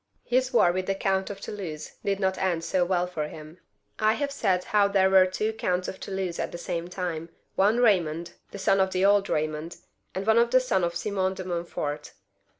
His war with the Coimt of Toulouse did not end so well for him. I have said how there were two Counts of Toulouse at the same time, one Baymond, the son of the old Eaymond, and one the son of Simon de Montfort.